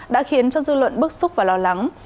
đã khiến cho dư luận bức xúc và lo lắng